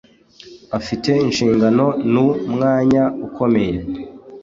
afite inshingano nu mwanya ukomeye.